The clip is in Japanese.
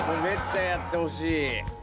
めっちゃやってほしい。